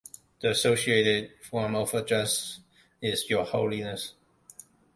The associated form of address is "Your Holiness".